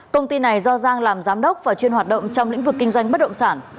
công ty này do giang làm giám đốc và chuyên hoạt động trong lĩnh vực kinh doanh bất động sản